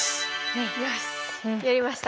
よしやりました。